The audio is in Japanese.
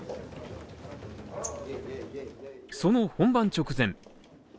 その本番直前。